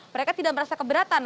mereka tidak merasa keberatan